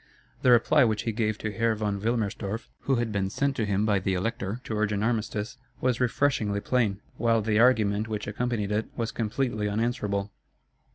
The reply which he gave to Herr von Wilmerstorff, who had been sent to him by the Elector to urge an armistice, was refreshingly plain, while the argument which accompanied it was completely unanswerable.